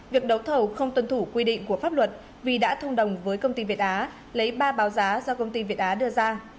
việc đấu thầu không tuân thủ quy định của pháp luật vì đã thông đồng với công ty việt á lấy ba báo giá do công ty việt á đưa ra